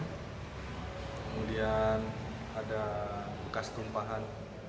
kemudian ada bekas tumpahan